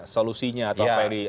solusinya atau apa yang diharapkan